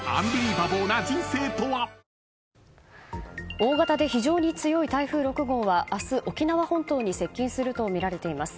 大型で非常に強い台風６号は明日、沖縄本島に接近するとみられています。